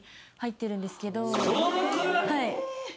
はい。